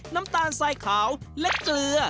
น้ำตาลสายขาวและเกลือ